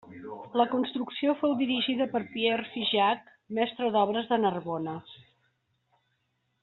La construcció fou dirigida per Pierre Figeac, mestre d'obres de Narbona.